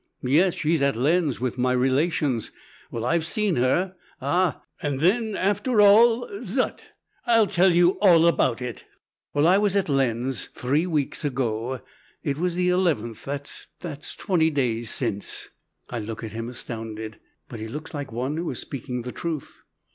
"Yes, she's at Lens, with my relations. Well, I've seen her ah, and then, after all, zut! I'll tell you all about it. Well, I was at Lens, three weeks ago. It was the eleventh; that's twenty days since." I look at him, astounded. But he looks like one who is speaking the truth.